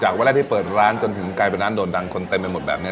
จากเวลาที่เปิดร้านจนถึงไกลประดานโดนดังคนเต็มไปหมดแบบนี้